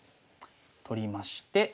取りまして。